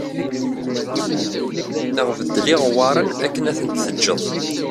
Neɣ beddel iɣewwaṛen akken ad ten-teǧǧeḍ